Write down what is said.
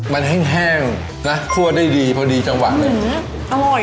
มันแห้งนะคั่วได้ดีเพราะดีจังหวะหน่อย